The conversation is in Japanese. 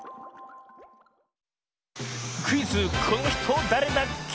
クイズ「このひとだれだっけ？」